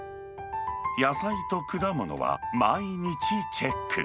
野菜と果物は毎日チェック。